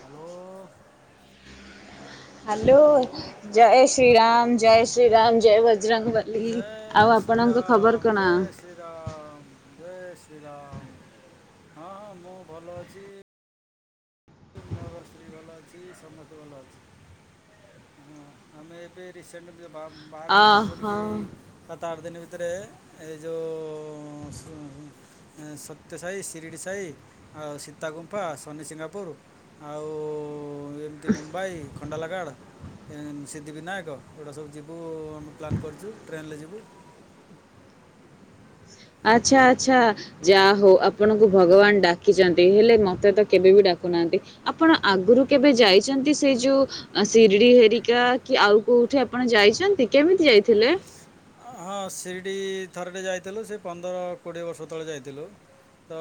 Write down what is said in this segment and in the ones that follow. Hello. Hello ଜୟ ଶ୍ରୀରାମ ଜୟ ଶ୍ରୀରାମ ଜୟ ବ ବଜରଙ୍ଗ ବାଲି ଜୟ ଆଉ ଆପଣଙ୍କ ଖବର ଶ୍ରୀରାମ କଣ? ଜୟ ଶ୍ରୀରାମ ଜୟ ଶ୍ରୀରାମ ହଁ ହଁ ମୁଁ ଭଲ ଅଛି। ମୋର ସ୍ତ୍ରୀ ଭଲ ଅଛି ସମସ୍ତେ ଭଲ ଅଛି। ହଁ ଆମେ ଏବେ ରିସେଣ୍ଟ ବା ବାହାରିଚୁ ଯିବୁ ବୋଲିକି ଅହୋ ଏଇ ସାତ ଆଠ ଦିନ ଭିତ ଭିତେରେ ଏ ଯେଉଁ ସତ୍ୟ ସାଇ ଶିରିଡ଼ି ସାଇ ଆଉ ସୀତାଗୁମ୍ଫା ସନିସିିଙ୍ଗାପୁର ଆଉ ଏମିତି ମୁମ୍ବାଇ ଫଣ୍ଡଲାଗାର୍ଡ। ଏଁ ସିଦ୍ଧି ବିିନାୟକ ଏଗୁଡ଼ା ସବୁ ଯିବୁ ଆମେ ପ୍ଲାନ୍ କରିଚୁ। ଟ୍ରେନ୍ ରେ ଯିବୁ। [inaudible] ଆଛା ଆଛା ଯାହା ହଉଁ ଆପଣଙ୍କୁ ଭଗବାନ ଡାକିଛନ୍ତି। ହେଲେ ମତେ ତ କେବେ ବି ଡା ଡାକୁ ନାହାନ୍ତି। ଆପଣ ଆଗରୁ କେବେ ଯାଇଛନ୍ତି। ସେଇ ଯୋଉଁ ସିରିଡି ହେରିକା କି ଆଉ କୋଉଁ କୋଉଁଠି ଆପଣ ଯାଇଛନ୍ତି। କେମିତି ଯାଇଥିଲେ? ହଁ ସିରିଡ଼ି ଥରଟେ ଯାଇଥିଲୁ। ସେ ପନ୍ଦର କୋଡ଼ିଏ ବର୍ଷ ତଳେ ଯାଇଥିଲୁ। ତ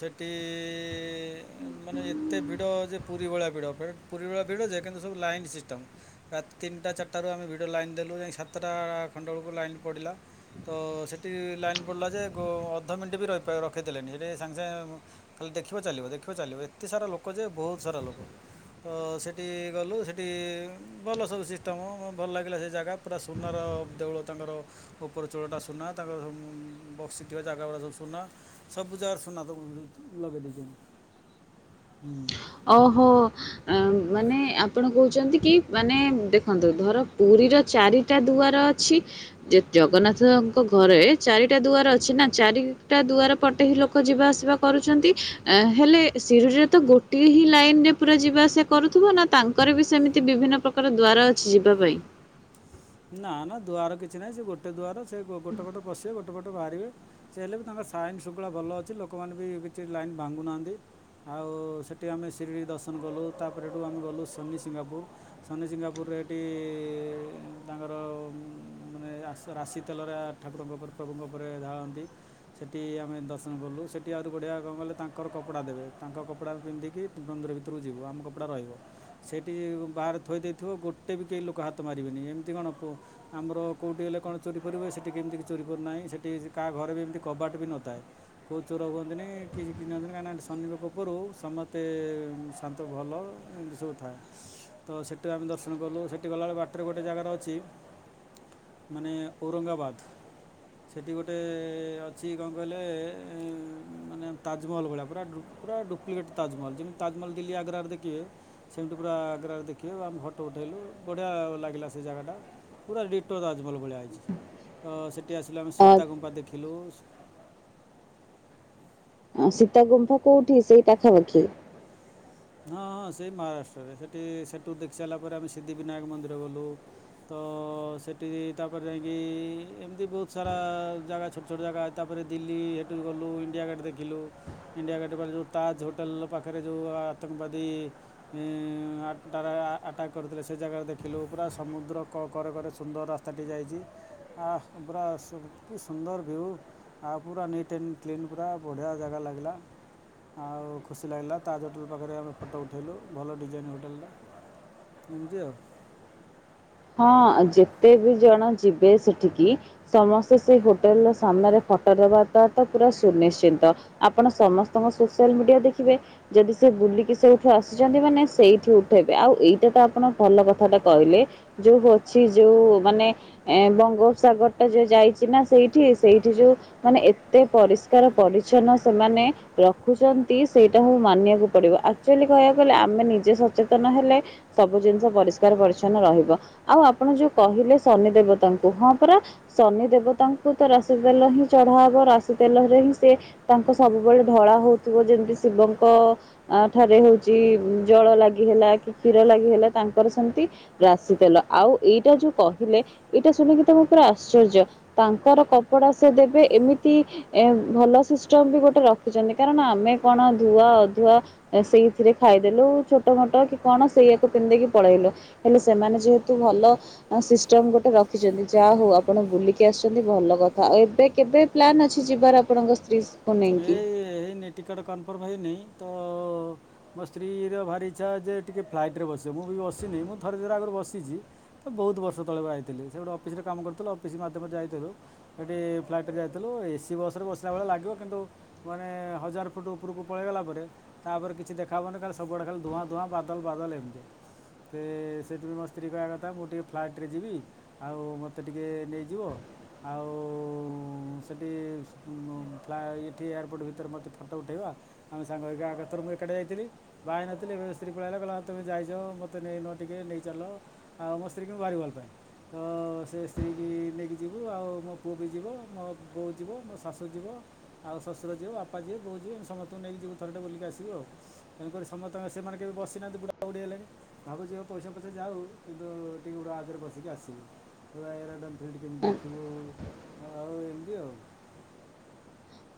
ସେଠି ମାନେ ଏତେ ଭିଡ଼ ଯେ ପୁରୀ ଭଳିଆ ଭିଡ଼ ପୁରୀ ଭଳି ଭିଡ଼ ଯେ କିନ୍ତୁ ସବୁ ଲାଇନ୍ ସିଷ୍ଟମ ରାତି ତିନିଟା ଚାରଟାରୁ ଆମେ ଭିଡ଼ ଲାଇନ୍ ଦେଲୁ ଯାଇକି ସାତଟା ଖଣ୍ଡକୁ ଲାଇନ ପଡ଼ିଲା ତ ସେଠି ଲାଇନ୍ ପଡ଼ିଲା ଯେ ଅଧ ମିନିଟ୍ ବି ରହି ରଖେଇ ଦେଲେନି ହେଟି ସାଙ୍ଗେ ସାଙ୍ଗେ ଖାଲି ଦେଖିବା ଚାଲିବ ଦେଖିବା ଚାଲିବ ଏତେ ସାରା ଲୋକ ଯେ ବହୁତ ସାରା ଲୋକ। ତ ସେଠି ଗଲୁ ସେଠି ଭଲ ସବୁ ସିଷ୍ଟମ୍ ଭଲ ଲାଗିଲା ସେ ଜାଗା ପୁରା ସୁନାର ଦେଉଳ ତାଙ୍କର ଉପର ଚୋଳଟା ସୁନା ତାଙ୍କର ସବୁ ବସି ଥିବା ଜାଗା ଗୁଡ଼ା ସବୁ ସୁନା ସବୁ ଜାଗାରେ ସୁନା ତା ଲଗେଇ ଦେଇଚନ୍ତି ହୁ। ଓହୋ ମାନେ ଆପଣ କହୁଛନ୍ତି କି ମାନେ ଦେଖନ୍ତୁ ଧର ପୁରୀ ପୁରୀର ଚାରିଟା ଦୁଆର ଅଛି ଯେ ଜଗନ୍ନାଥଙ୍କ ଘରେ ଚାରିଟା ଦୁଆର ଅଛି ନା ଚାରିଟା ଦୁଆର ପଟେ ହିଁ ଲୋକ ଯିବା ଆସିବା କରୁଛନ୍ତି। ହେଲେ ଶିରିଡ଼ିରେ ତ ଗୋ ଟି ହିଁ ଲାଇନ ରେ ପୁରା ଯିବା ଆସିବା କରୁଥିବ ନା ତାଙ୍କର ବି ସେମିତି ବିଭିନ୍ନ ପ୍ରକାର ଦ୍ୱାର ଅଛି ଯିବା ପାଇଁ? [inaudible] ନା ନା ଦୁଆର କିଛି ନାହିଁ ସେ ଗୋଟେ ଦୁଆର ସେ ଗୋଟେ ପଟ ପଶିବେ ଗୋଟେ ପଟେ ବାହାରିବେ ସେ ହେଲେ ବି ତାଙ୍କର ସାଇନ ଶୁଙ୍ଖଳା ଭଲ ଅଛି। ଲୋକମାନେ ବି କିଛି ଲାଇନ ଭାଙ୍ଗୁନାହାନ୍ତି। ଆଉ ସେଠି ଆମେ ସିରିଡ଼ି ଦର୍ଶନ କଲୁ ତାପରେ ହେଠୁ ଆମେ ଗଲୁ ଶନିସିଙ୍ଗାପୁର। ଶନି ସିଙ୍ଗାପୁର ହେଟି ତାଙ୍କର ମାନେ ରା ରାଶି ତେଲରା ଠାକୁରଙ୍କ ଉପ ପ୍ରଭୁଙ୍କ ଉପରେ ଢାଳନ୍ତି। ସେଠି ଆମେ ଦର୍ଶନ କଲୁ। ସେଠି ଆଉରି ବଢ଼ିଆ କଣ କହିଲ ତାଙ୍କର କପଡ଼ା ଦେବେ। ତାଙ୍କ କପଡ଼ା ପିନ୍ଧିକି ମନ୍ଦିର ଭିତକୁ ଯିବୁ। ଆମ କପଡ଼ା ରହିବ। ସେଇଠି ବାହାରେ ଥୋଇ ଦେଇଥିବ। ଗୋଟେ ବି କେହି ଲୋକ ହାତ ମାରିବେନି ଏମ ଏଠି କଣ ଆମର କଉଠି ହେଲେ କଣ ଚୋରି ଫୋରି ହୁଏ। ସେଠି କେମିତି ଚୋରି ଫୋରି ନାଇଁ ସେଠି କାହା ଘରେ ବି ଏମିତି କବାଟ କବାଟ ବି ନଥାଏ। କୋଉଁ ଚୋର ହୁଅନ୍ତିନି କି [unintelligible] କାହିଁକ ଶନଙ୍କ କୃପାରୁ ସମସ୍ତେ ଶାନ୍ତ ଭଲ ଏମିତି ସବୁ ଥାଏ। ତ ସେଠୁ ଆମେ ଦର୍ଶନ କଲୁ। ସେଠି ଗଲାବେଳେ ବାଟରେ ଗୋଟେ ଜାଗା ରହ ଉଚି ମାନେ ଔରଙ୍ଗବାଦ। ସେଠି ଗୋଟେ-ଏ-ଏ-ଏ-ଏ ଅଛି କଣ କହିଲେ-ଏ-ଏ-ଏ-ଏ ମାନେ ତାଜମହଲ ଭଳିଆ ପୁରା ଡୁ ପୁରା ଡୁପ୍ଲିକେଟ ତାଜମହଲ ଯେମିତି ତାଜମହଲ ଦିଲ୍ଲୀ ଆଗ୍ରା ଦେଖିବେ ସେମିତି ପୁରା-ଆ-ଆ-ଆ ଆଗ୍ରା ଦେଖିଲୁ ଆମ୍ ଫୋଟୋ ଉଠେଇଲୁ ବଢିଆ ଲାଗିଲା ସେ ଜାଗା ଟା। ପୁରା ଡିଟୋ ତାଜମହଲ ଭଳିଆ ହେଇଛି। ତ ସେଠି ଆସିଲେ ଆମେ ଅ ସୀତା କୁମ୍ପା ଦେଖିଲୁ-ଉ-ଉ। ଆ ସୀତା ଗୁମ୍ଫା କୋଉଠି ସେଇ ପାଖରେ କି? ହଁ ହଁ ସେଇ ମହାରାଷ୍ଟ୍ରରେ ସେଠି-ଇ-ଇ ସେଠୁ ଦେଖି ସାରିଲା ପରେ ଆମେ ସିଦ୍ଧି ବିିନାୟକ ମନ୍ଦିର ଗଲୁ। ତ-ଅ-ଅ-ଅ ସେଠି ତାପରେ ଯାଇକି-ଇ-ଇ-ଇ ଏମିତି ବହୁତ ସାରା ଜାଗା ଛୋଟ ଛୋଟ ଜାଗା ତାପରେ ତାପରେ ଦିଲ୍ଲୀ ସେଠୁ ଗଲୁ ଇଣ୍ଡିଆ ଗେଟ୍ ଦେଖିଲୁ। ଇଣ୍ଡିଆ ଗେଟ୍ ପରେ ଯେଉଁ ତାଜ୍ ହୋଟେଲ ପାଖରେ ଯେଉଁ ଆ ଆତଙ୍କବାଦୀ ଇ-ଇ-ଇ ଆଟାକ୍ ଆଟକ କରିଥିଲେ ସେ ଜାଗା ଦେଖିଲୁ। ପୁରା ସମୁଦ୍ର କ କରେ କରେ ସୁନ୍ଦର ରାସ୍ତାଟି ଯାଇଛି ଆହାଁ ପୁରା ସୁ କି ସୁନ୍ଦର ଭିଉ। ପୁରା ନିଟ୍ ଆଣ୍ଡ କ୍ଲିନ ପୁରା ବଢ଼ିଆ ଜାଗା ଲାଗିଲା। ଆଉ ଖୁସି ଲାଗିଲା ତା ଯଠୁ ପାଖରେ ଆମେ ଫଟୋ ଉଠେଇଲୁ ଭଲ ଡିଜାଇନ୍ ହୋଟାଲଟା। ଏମିତି ଆଉ ହଁ ଯେତେ ବି ଜଣ ଯିବେ ସେଠିକି ସମସ୍ତେ ସେ ହୋଟେଲ ର ସାମ୍ନାରେ ଫଟୋ ପୁରା ସୁନିଶ୍ଚିତ ଆପଣ ସମସ୍ତଙ୍କ ସୋସିଆଲ ମିଡିଆ ଦେଖିବେ ଯଦି ସେ ବୁଲିକି ସେଠୁ ଆସିଛନ୍ତି ମାନେ ସେଇଠି ଉଠେଇବେ ଆଉ ଏଇଟା ତ ଆପଣ ଭଲ କଥା ଟା କହିଲେ ଯୋଉ ଅଛି ଯୋଉ ମାନେ ଏ ବଙ୍ଗୋପସାଗର ଟା ଯେ ଯାଇଛି ନା ସେଇଠି ସେଇଠି ଯୋଉ ମାନେ ଏତେ ପରିଷ୍କାର ପରିଚ୍ଛନ୍ନ ସେମାନେ ରଖୁଛନ୍ତି ସେଇଟା ହ ମାନିବାକୁ ପଡିବ ଆକଚୁଲି କହିବାକୁ ଗଲେ ଆମେ ନିଜେ ସଚେତନ ହେଲେ ସବୁ ଜିନିଷ ପରିଷ୍କାର ପରିଚ୍ଛନ୍ନ ରହିବ। ଆଉ ଆପଣ ଯୋଉ କହିଲେ ଶନି ଦେବତାଙ୍କୁ ହଁ ପରା ଶନି ଦେବତାଙ୍କୁ ତ ରାଶି ଦେଲେ ଚଢା ହବ ରାଶି ତେଲରେ ହିଁ ସେ ତାଙ୍କୁ ସବୁବେଳେ ଧଳା ହଉଥିବ ଯେମିତି ଶିବଙ୍କ ଅ ଠାରେ ହଉଛି ଜଳ ଲାଗି ହେଲା କି କ୍ଷୀର ଲାଗି ହେଲା ତାଙ୍କର ସେମିତି ରା ରାଶି ତେଲ ଆଉ ଏଇଟା ଯୋଉ କହିଲେ ଏଇଟା ଶୁଣିକି ତମ ପୁରା ଆଶ୍ଚର୍ଯ୍ୟ ତାଙ୍କର କପଡା ସେ ଦେବେ ଏମିତି ଭଲ ସିଷ୍ଟମ ବି ଗୋଟେ ରଖିଛନ୍ତି କାରଣ ଆମେ କଣ ଧୂଆ ଆଧୁଆ ଅ ସେଇଥିରେ ଖାଇଦେଲୁ ଛୋଟ ମୋଟ କି କଣ ସେଇୟାକୁ ପିନ୍ଧେଇକି ପଳେଇଲୁ ହେଲେ ସେମାନେ ଯେହେତୁ ଭଲ ସିଷ୍ଟମ ଗୋଟେ ରଖିଛନ୍ତି। ଯାହା ହଉ ଆପଣ ବୁଲିକି ଆସିଛନ୍ତି ଭଲ କଥା। ଆଉ ଏବେ କେବେ ପ୍ଲାନ୍ ଅଛି ଯିବାର ଆପଣଙ୍କ ସ୍ତ୍ରୀକୁ ନେଇକି? ଏଇ ହେଇନାଇ ଟିକେଟ କନଫର୍ମ ହେଇନାଇଁ ତ ହ ମୋ ସ୍ତ୍ରୀର ଭାରି ଇଚ୍ଛା ଯେ ଟିକେ ଫ୍ଲାଇଟ ରେ ବସିବ ମୁଁ ବି ବସିନିଁ ମୁଁ ଥରେ ଦି ଥରେ ଆଗରୁ ବସିଛି। ବହୁତ ବର୍ଷ ତଳେ ବାହାହେଇଥିଲି ସେ ଗୋଟେ ଅଫିସରେ କାମ କରଥିଲ ଅଫିସ ମାଧ୍ୟମରେ ଯାଇଥିଲୁ ସେଠି-ଇ-ଇ ଫ୍ଲାଇଟ ଯାଇଥିଲୁ ଏସି ବସ ରେ ବସିଲା ଭଳିଆ ଲାଗିବ କିନ୍ତୁ ମାନେ ହଜାର ଫୁଟ ଉପରକୁ ପଳେଇଗଲା ପରେ ତାପରେ କିଛି ଦେଖାହବନି ଖାଲି ସବୁଆଡେ ଖାଲି ଧୂଆଁ ଧଆଁ ହଁ ବାଦଲ ବାଦଲ ଏମିତିଆ। ତ-ଏ-ଏ-ଏ ସେଥିପାଇଁ ମୋ ସ୍ତ୍ରୀ କହିବା କଥା ମୁଁ ଟିକିେ ଫ୍ଲାଇଟ୍ ରେ ଯିବି ଆଉ ମୋତେ ଟିକେ ନେଇଯିବ। ଆଉ-ଉ-ଉ-ଉ-ଉ ସେଠି-ଇ-ଇ-ଇ ଉ-ଉ-ଉ ପ୍ଲା ଏଇଠି ଏୟାରପୋର୍ଟ ଭିତରେ ମୋତେ ଫଟୋ ଉଠାଇବା ଆମେ ସାଙ୍ଗ ହେଇକି ଆଗ ଥର ମୁଁ ଏକାଠେ ଯାଇଥିଲି ବାହା ହେଇ ନଥିଲି ଏବେ ତ ସ୍ତ୍ରୀ ପଳେଇ ଆଇଲା କହିଲା ତମେ ଯାଇଛ ମତେ ନେଇ ନ ଟିକେ ନେଇ ଚାଲ। ଆଉ ମୋ ସ୍ତ୍ରୀ କି ମୁ ଭାରି ଭଲ ପାଏ। ତ ସେ ସ୍ତ୍ରୀକି ନେଇକି ଯିବୁ ଆଉ ମୋ ପୁଅ ବି ଯିବ ମୋ ବୋଉ ଯିବ ମୋ ଶାଶୁ ଯିବ। ଆଉ ଶଶୁର ଯିବ ବାପା ଯିବ ବୋଉ ଯିବେ ସମସ୍ତଙ୍କୁ ନେଇକି ଯିବୁ ଥରେ ଟେ ବୁଲିକି ଆସିବ ଆଉ ତେଣୁକରି ସମସ୍ତେଙ୍କ ସେ ମାନେ କେବେ ବସିନାହାନ୍ତି ବୁଢା ବୁଢ଼ୀ ହେଲେଣି ଭାବୁଛି ଆ ପଇସା ପଚ୍ଛେ ଯାଉ କିନ୍ତୁ ଟିକେ ଉଡ଼ାଜାହାଜ ରେ ବସିକି ଆସିବେ। ହ ଏରାଡମ ଫିଲ୍ଡ କେମିତି ଦେଖିବୁ ଆଉ ଏମିତି ଆଉ। ହ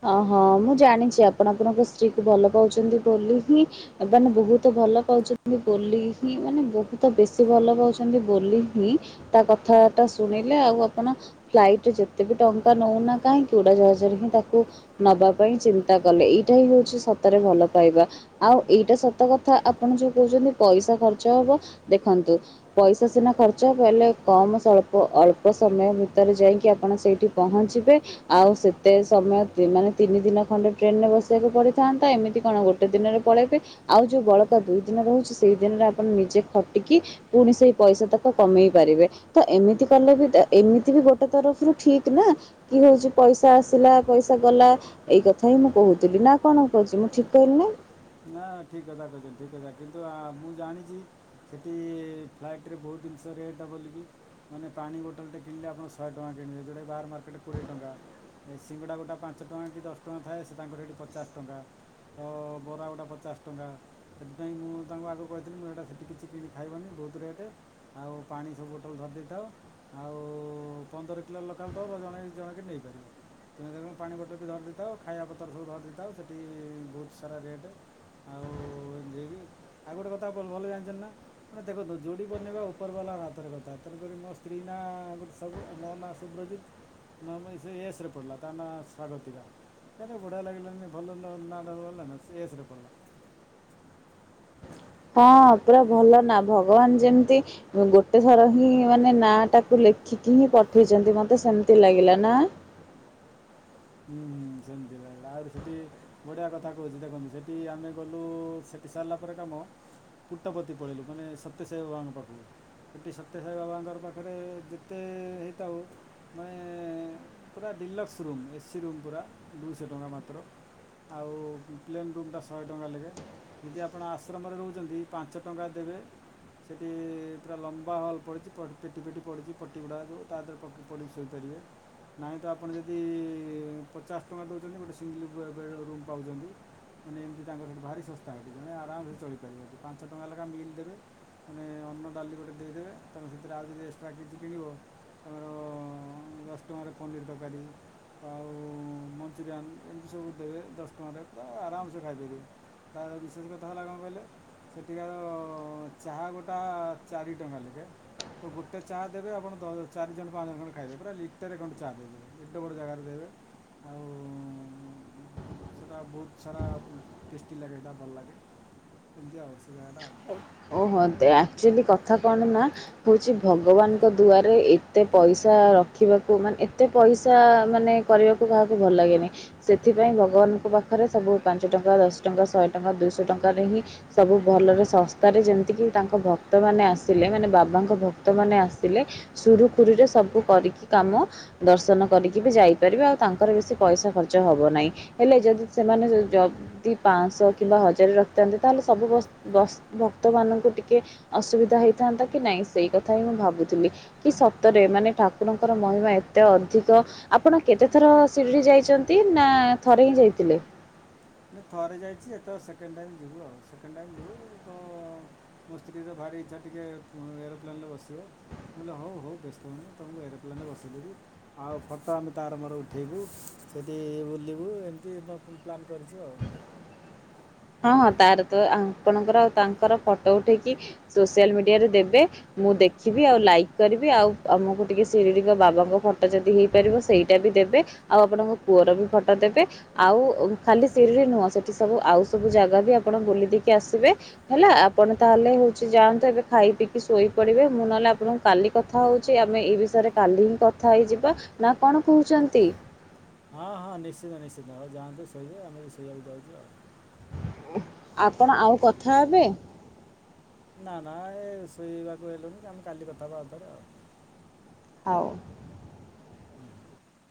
ଅ ହଁ ମୁଁ ଜାଣିଛି ଆପଣ ଆପଣଙ୍କ ସ୍ତ୍ରୀ କୁ ଭଲ ପାଉଛନ୍ତି ବୋଲି ହିଁ ଏମାନେ ବହୁତ ଭଲ ପାଉଚନ୍ତି ବୋଲି ହିଁ ମାନେ ବହୁତ ବେଶୀ ଭଲ ପାଉଛନ୍ତି ବୋଲି ହିଁ ତା କଥାଟା ଶୁଣିଲେ ଆଉ ଆପଣ ଫ୍ଲାଇଟ ରେ ଯେତେ ବି ଟଙ୍କା ନଉନା କାହିଁକି ଉଡ଼ାଜାହଜରେ ହିଁ ତାକୁ କୁ ନବା ପାଇଁ ଚିନ୍ତା କଲେ ଏଇଟା ହିଁ ହଉଛି ସତରେ ଭଲ ପାଇବା। ଆଉ ଏଇଟା ସତ କଥା ଆପଣ ଯୋଉ କହୁଛନ୍ତି ପଇସା ଖର୍ଚ୍ଚ ହବ ଦେଖନ୍ତୁ ପଇସା ସିନା ଖର୍ଚ୍ଚ ହେବ ହେଲେ କ ବାସ୍ ସଳ୍ପ ଅଳ୍ପ ସମୟ ଭିତରେ ଯାଇକି ଆପଣ ସେଇଠି ପହଞ୍ଚିବେ ଆଉ ସେତେ ତମ ଦିନ ମାନେ ତିନି ଦିନ ଖଣ୍ଡେ ଟ୍ରେନ ରେ ବସିବାକୁ ପଡିଥାନ୍ତା ଏମିତି କଣ ଗୋଟେ ଦିନରେ ପଳେଇବେ। ଆଉ ଯୋଉ ବଳକା ଦୁଇ ଦିନ ରହୁଛି ସେଇ ଦିନରେ ଆପଣ ନିଜେ ଖଟିକି ପୁଣି ସେଇ ପଇସା ତାକ କମେଇ ପାରିବେ। ତ ଏମିତି କଲେ ବି ତ ଏମିତି ବି ଗୋଟେ ତରଫରୁ ଠିକ ନା କି ହଉଛି ପଇସା ଆସିଲା ପଇସା ଗଲା ଏଇ କଥା ହିଁ ମୁଁ କହୁଥିଲି ନା କଣ କହୁଛି ମୁଁ ଠିକ କହିଲି ନା? ନା ଠିକ କଥା କଇଛନ୍ତି ଠିକ କଥା କିନ୍ତୁ ଆ ମୁଁ ଜାଣିଛି ସେଠି ଫ୍ଲାଇଟରେ ବହୁତ ଦିନିଷ ରେଟ ବୋଲିକି ମାନେ ପାଣି ବୋଟଲଟେ କିଣିଲେ ଆପଣ ଶହେ ଟଙ୍କା କିଣିବେ ଯୋଉଟା ବାହାର ମାର୍କେଟରେ କୋଡ଼ିଏ ଟଙ୍କା। ଏ ସିଙ୍ଗଡ଼ା ଗୋଟେ ପାଞ୍ଚ ଟଙ୍କା କି ଦଶ ଟଙ୍କା ଥାଏ ସେ ତାଙ୍କର ହେଠି ପଚାଶ ଟଙ୍କା ତ ବରା ଗୋଟା ପଚାଶ ଟଙ୍କା ସେଥିପାଇଁ ମୁଁ ତାଙ୍କୁ ଆଗରୁ କହିଥିଲି ମୁଁ ହେଇଟା ସେଠି କିଛି କିଣି ଖାଇବନି ବହୁତ ରେଟେ ଆଉ ପାଣି ସବୁ ବୋଟଲ ଧରି ଦେଇଥାଅ ଆଉ ପନ୍ଦର କିଲୋ ଲଗାଥାଉ ଜଣେ ଜଣେକ ନେଇପାରିବ ତୁମେ ତେଣୁ ପାଣି ବଟଲଟେ ଧରି ଦେଇଥାଅ ଖାଇବା ପତ୍ର ସବୁ ଧରି ଦେଇଥାଅ ସେଠି ବହୁତ ସାରା ରେଟେ ଆଉ ଏନ୍ତି ହେଇକି ଆଉ ଗୋଟେ କଥା ଆପଣ ଭଲରେ ଜାଣିଛନ୍ତି ନା ଆପଣ ଦେଖନ୍ତୁ ଯୋଡି ବନିବା ଉପର ବାଲା ହାତରେ କଥା ତେଣୁକରି ମୋ ସ୍ତ୍ରୀ ନାଁ [unintelligible] ମୋ ନାଁ ସୁବ୍ରଜିତ ନାଇଁ ମ ସେଇ ଏସରେେ ପଡ଼ିଲା ତା ନାଁ ସ୍ୱାଗତିକା। କେତ ବଢିଆ ଲାଗିଲାନି ଭଲ ନ ନାଁ ଟା [unintelligible] ସେ ଏସରେ ପଡ଼ିଲା। ହଁ ପୁରା ଏମିତି ଆଉ ଭଲ ନା ଭଗବାନ ଯେମିତି ମୁଁ ଗୋଟେ ଥର ହିଁ ମାନେ ନା ଟାକୁ ଲେଖିକି ହିଁ ପଠେଇଛନ୍ତି ମତେ ସେମିତି ଲାଗିଲା ନା! [inaudible] ହୁଁ ହୁଁ ସେମତି ରହିଲା ଆଉରି ସିଠି ବଢିଆ କଥା କହୁଛି ଦେଖନ୍ତୁ ସେଠି ଆମେ ଗଲୁ ଏଠି ସାରିଲା ପରେ କାମ ଫୁଟପତି ପଳେଇଲୁ ମାନେ ସତ୍ୟସାଇ ବାବାଙ୍କ ପାଖକୁ ସେଠି ସତ୍ୟସାଇ ବାବାଙ୍କର ପାଖରେ ଯେତେ ହେଇଥାଉ ମାନେ ପୁରା ଡିଲକ୍ସ ରୁମ୍ ଏସିି ରୁମ୍ ପୁରା ଦୁଇଶହ ଟଙ୍କା ମାତ୍ର ଆଉ ପ୍ଲେନ୍ ରୁମଟା ଶହେ ଟଙ୍କା ଲେଖେ ଯଦି ଆପଣ ଆଶ୍ରମରେ ରହୁଛନ୍ତି ପାଞ୍ଚ ଟଙ୍କା ଦେବେ ସେଠି ପୁରା ଲମ୍ବା ହଲ୍ ପଡିଛି ପ ପିଟି ପିଟି ପଡିଛି ପଟି ଗୁଡାକୁ ତା ଦେହରେ ପଟି ପକେଇକି ଶୋଇପାରି ବେ ନାଇଁ ତ ଆପଣ ଯଦି ଏ ପଚାଶ ଟଙ୍କା ଦଉଛନ୍ତି ଗୋଟେ ସିଙ୍ଗଲ ବେ ବେଡ୍ ରୁମ୍ ପାଉଛନ୍ତି। ମାନେ ଏମିତି ତାଙ୍କର ହେଠି ଭାରି ଶସ୍ତା ହେଠି ଜଣେ ଆରାମସେ ଚଳିପାରିବେ ସେଠି ପାଞ୍ଚ ଟଙ୍କା ଲେଖା ମିଲ୍ ଦେବେ ମାନେ ଅନ୍ନ ଡାଲି ଗୋଟେ ଦେଇଦେବେ ତମେ ସେଥିରେ ଆଉ କିଛି ଏକ୍ସଟ୍ରା କିଛି କିଣିବ ଆମର ଦଶ ଟଙ୍କାରେ ପନିର ତକାରୀ ଆଉ ଅ ମଞ୍ଚୁରିଆନ୍ ଏମିତି ସବୁ ଦେବେ ଦଶ ଟଙ୍କାରେ ପୁରା ଆରାମସେ ଖାଇପାରିବେ। ତାର ବିଶେଷ କଥା ହେଲା କଣ କହିଲେ? ସେଠିକାର ଚାହା ଗୋଟା ଚାରି ଟଙ୍କା ଲେଖେ। ତ ଗୋଟେ ଚା ଦେବେ ଆପଣ ଦ ଚାରି ଜଣ ପାଞ୍ଚ ଜଣ ଖାଇବେ ପୁରା ଲିଟରରେ ଖଣ୍ଡେ ଚା ଦେଇଦେବେ ଏଡେ ବଡ ଜାଗାରେ ଦେବେ ଆଉ ଉଁ ସେଇଟା ବହୁତ ସାରା ଟେଷ୍ଟି ଲାଗେ ସେଇଟା ଭଲ ଲାଗେ ଏମିତି ଆଉ ସେ ଜାଗା ଟା ଆଉ। ଓହୋ ଏମତି ଆକଚୁଆଲି କଥା କଣ ନା ହଉଛି ଭଗବାନଙ୍କ ଦୁଆରେ ଏତେ ପଇସା ରଖିବାକୁ ମାନେ ଏତେ ପଇସା ମାନେ କରିବାକୁ କାହାକୁ ଭଲ ଲାଗେନି ସେଥିପାଇଁ ଭଗବାନ ଙ୍କ ପାଖରେ ସବୁ ପାଞ୍ଚ ଟଙ୍କା ଦଶ ଟଙ୍କା ଶହେ ଟଙ୍କା ଦୁଇଶହ ଟଙ୍କାରେ ହିଁ ସବୁ ଭଲରେ ଶ ସ୍ତାରେ ଯେମିତି କି ତାଙ୍କ ଭକ୍ତ ମାନେ ଆସିଲେ ମାନେ ବାବାଙ୍କ ଭକ୍ତ ମାନେ ଆସିଲେ ସୁରୁଖୁରୁରେ ସ ସବୁ କରିକି କାମ ଦର୍ଶନ କରିକି ବି ଯାଇପାରିବେ ଆଉ ତାଙ୍କର ବେଶି ପଇସା ଖର୍ଚ୍ଚ ହବ ନାହିଁ। ହେଲେ ଯଦି ସେମାନେ ଯ ଯଦି ପାଁଶ କିମ୍ବା ହଜାରେ ରଖିଥାନ୍ତେ ତାହେଲେ ସବୁ ବସ୍ ବସ୍ ଭକ୍ତମାନଙ୍କୁ ଟିକେ ଅସୁବିଧା ହେଇଥାନ୍ତା କି ନାଇଁ ସେଇ କଥା ହିଁ ମୁଁ ଭାବୁଥିଲି କି ସତରେ ମାନେ ଠାକୁରଙ୍କର ମହିମା ଏତେ ଅଧିକ ଆପଣ କେତେଥର ସିରିଡି ଯାଇଚନ୍ତି ନା ଥ ରେ ହିଁ ଯାଇଥିଲେ? ନା ଥରେ ଯାଇଛି ଏ ତ ସେକେଣ୍ଡ ଟାଇମ ଯିବୁ ଆଉ ସେକେଣ୍ଡ ଟାଇ ଯିବୁ ତ ମୋ ସ୍ତ୍ରୀ ର ଭାରି ଇଚ୍ଛା ଟିକେ ଏରୋପ୍ଲେନ ରେ ବସିବ ମୁଁ କହିଲି ହଉ ହଉ ବ୍ୟସ୍ତ ହଉନି ତମକୁ ଏରୋପ୍ଲେନ୍ ରେ ବସେଇଦେବି ଆଉ ଫଟୋ ଆମେ ତାର ମୋର ଉଠାଇବୁ। ସେଠି ବୁଲିବୁ ଏମତି [unintelligible] ପ୍ଲାନ୍ କରିଚୁ ଆଉ। ହଁ ହଁ ତାର ତ ଆପଣଙ୍କର ତାଙ୍କର ଫଟୋ ଉଠେଇକି ସୋସିଆଲ ମିଡ଼ିଆରେ ଦେବେ। ମୁଁ ଦେଖିବି ଆଉ ଲାଇକ୍ କରିବି ଆଉ ଆମକୁ ଟିକେ ଶିରିଡ଼ି ବାବାଙ୍କ ଫଟୋ ଯଦି ହେଇପାରିବ ସେଇଟା ବି ଟି ଦେବେ ଆଉ ଆପଣଙ୍କ ପୁଅର ବି ଫଟୋ ଦେବେ ଆଉ ଖାଲି ସିରିଡ଼ି ନୁହଁ ସେଠି ସବୁ ଆଉ ସବୁ ଜାଗା ବି ଆପଣ ବୁଲି ଦେଇକି ଆସିବେ ହେଲା ଆପଣ ତାହେଲେ ହଉଛି ଯାଆନ୍ତୁ ଏବେ ଖାଇ ପିଇକି ଶୋଇ ପଡ଼ିବେ ମୁଁ ନହେଲେ ଆପଣଙ୍କୁ କାଲି କଥା ହଉଛି ଆମେ ଏଇ ବିଷୟରେ କାଲି ହିଁ କଥା ହେଇଯିବା ନା କଣ କହୁଛ। ଛନ୍ତି। ହଁ ହଁ ନିଶ୍ଚିନ୍ତ ନିଶ୍ଚିନ୍ତ ଆଉ ଯାଆନ୍ତୁ ଶୋଇବେ ଆମେ ବି ଶୋଇବାକୁ ଯାଉଛୁ ଆଉ। ଆପଣ ଆଉ ହଉ କଥା ହେବେ? ନା ନା ଏ ଶୋଇବାକୁ ହେଲୁନି ଆମେ କାଲି କଥା ହେବା ଆଉଥରେ। ହଉ। [unintelligible]